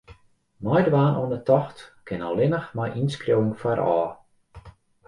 Meidwaan oan 'e tocht kin allinnich nei ynskriuwing foarôf.